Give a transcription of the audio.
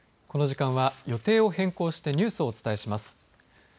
この時間は予定を変更してニュースをお伝えします。